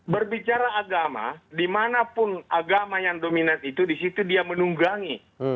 berbicara agama dimanapun agama yang dominan itu disitu dia menunggangi